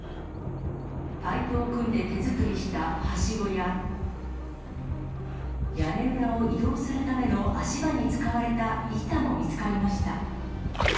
パイプを組んで手作りしたはしごや、屋根裏を移動するための足場に使われた板も見つかりました。